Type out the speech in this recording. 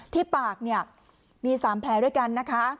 ที่ปากเนี่ยมี๓แผลด้วยกันนะคะ